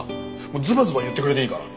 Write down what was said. ズバズバ言ってくれていいから。